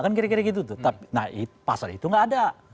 kan kira kira gitu tapi pasal itu gak ada